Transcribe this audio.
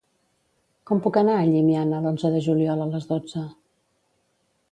Com puc anar a Llimiana l'onze de juliol a les dotze?